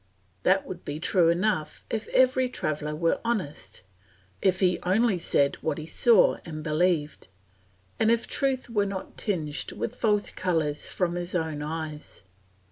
That would be true enough if every traveller were honest, if he only said what he saw and believed, and if truth were not tinged with false colours from his own eyes.